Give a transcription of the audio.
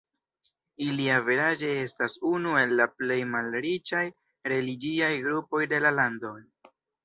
Ili averaĝe estas unu el la plej malriĉaj religiaj grupoj de la lando.